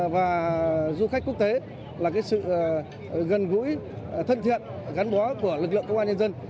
và du khách quốc tế là sự gần gũi thân thiện gắn bó của lực lượng công an nhân dân